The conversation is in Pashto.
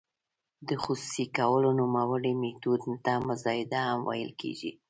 د خصوصي کولو نوموړي میتود ته مزایده هم ویل کیږي.